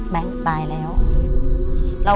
สวัสดีครับ